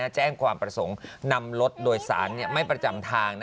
แจ้งความประสงค์นำรถโดยสารไม่ประจำทาง